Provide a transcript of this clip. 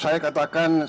saya ini bagaimanapun ada